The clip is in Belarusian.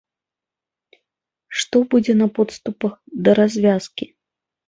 Што будзе на подступах да развязкі?